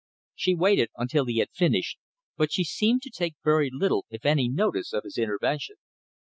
She waited until he had finished, but she seemed to take very little, if any, notice of his intervention.